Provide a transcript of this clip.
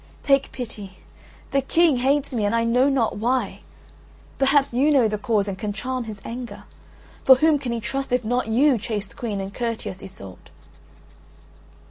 Take pity; the King hates me and I know not why. Perhaps you know the cause and can charm his anger. For whom can he trust if not you, chaste Queen and courteous, Iseult?"